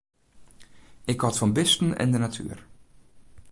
Ik hâld fan bisten en de natuer.